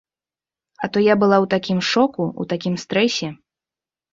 А то я была ў такім шоку, у такім стрэсе.